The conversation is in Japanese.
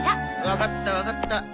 わかったわかった。